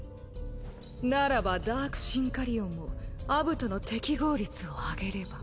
ならばダークシンカリオンもアブトの適合率を上げれば。